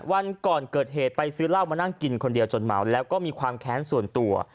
วันก่อนเกิดเหตุไปซื้อเหล้ามานั่งกินคนเดียวจนเมาแล้วก็มีความแค้นส่วนตัว